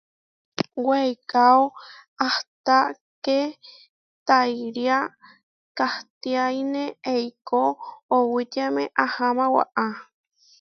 Weikáo ahtá ké taʼiria kahtiáine, eikó oʼowitiáme aháma waʼá.